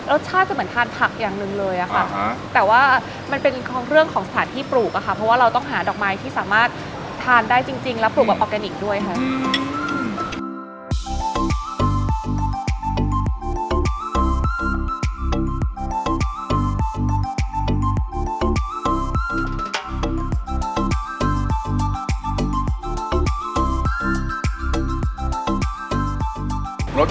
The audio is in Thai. รสชาติจะเหมือนทานผักอย่างนึงเลยแต่ว่าเป็นเรื่องของสถานที่ปลูกเพราะว่าเราต้องหาดอกไม้ที่สามารถทานได้จริงและปลูกแบบออกแกนิกด้วยครับ